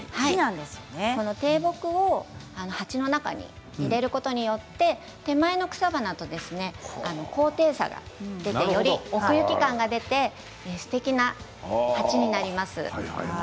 低木を鉢の中に入れることによって手前の草花と高低差が出て奥行き感が出てすてきな鉢になります。